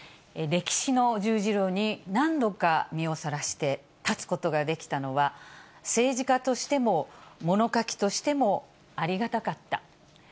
歴史の十字路に何度か身をさらして立つことができたのは、政治家としても物書きとしてもありがたかった。